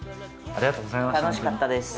ありがとうございます。